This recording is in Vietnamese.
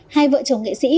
hai vợ chồng nghệ sĩ